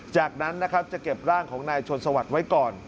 จากนั้นนะครับจะเก็บร่างของนายชนสวัสดิ์ไว้ก่อน